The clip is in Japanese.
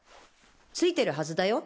ついてるはずだよ